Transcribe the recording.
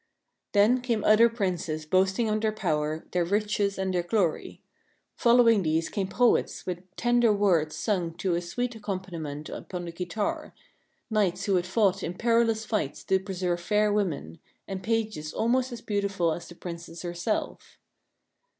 Then came other Princes boasting of their power, their riches, and their glory. Following these came poets with tender words sung to a sweet accompaniment upon the guitar, knights who had fought in perilous fights to preserve fair women, and pages almost as beautiful as the Princess herself.